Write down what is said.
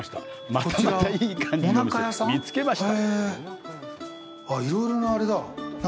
またまたいい感じのお店、見つけました。